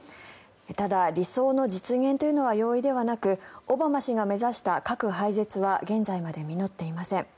ただ、理想の実現というのは容易ではなくオバマ氏が目指した核廃絶は現在まで実っていません。